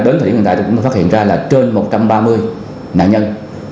đến thời điểm hiện tại chúng tôi đã phát hiện ra là trên một trăm ba mươi nạn nhân